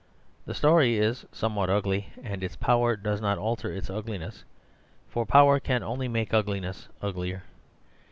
The story is somewhat ugly, and its power does not alter its ugliness, for power can only make ugliness uglier.